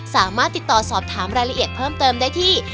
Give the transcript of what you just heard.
สามารถติดต่อสอบถามรายละเอียดเพิ่มเติมได้ที่